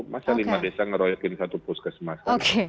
masa lima desa ngeroyokin satu puskesmas